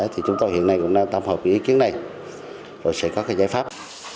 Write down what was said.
thì chúng tôi hiện nay cũng đang tâm hợp với ý kiến này rồi sẽ có cái giải pháp